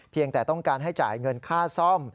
แต่ต้องการให้จ่ายเงินค่าซ่อม